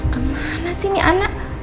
kemana sih ini anak